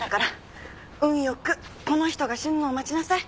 運良くこの人が死ぬのを待ちなさい。